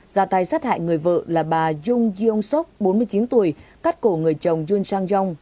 ra tay sát hại người vợ là bà jung jung suk bốn mươi chín tuổi cắt cổ người chồng jun chang yong